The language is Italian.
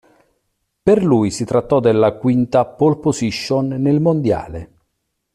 Per lui si trattò della quinta "pole position" nel mondiale.